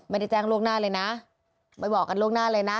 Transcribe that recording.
ไม่ได้แจ้งล่วงหน้าเลยนะไม่บอกกันล่วงหน้าเลยนะ